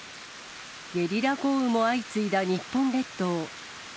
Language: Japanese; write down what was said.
ゲリラ豪雨も相次いだ日本列島。